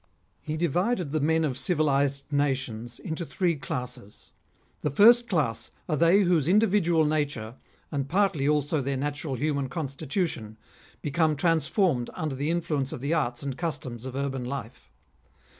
He divided the men of civilised nations into three classes. The first class are they whose individual nature, and partly also their natural human constitution, become transformed under the influence of the arts and customs of urban life.